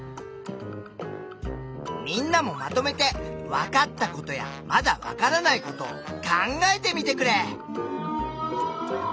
みんなもまとめてわかったことやまだわからないことを考えてみてくれ！